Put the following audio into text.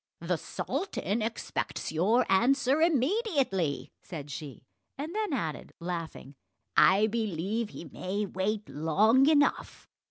"The sultan expects your answer immediately," said she; and then added, laughing, "I believe he may wait long enough!"